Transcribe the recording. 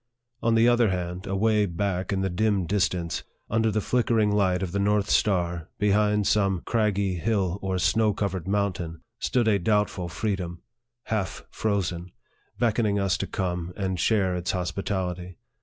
On the other hand, away back in the dim distance, under the flickering light of the north star, behind some craggy hill or snow covered mountain, stood a doubtful free dom half frozen beckoning us to come and share its hospitality.